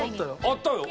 あったよ。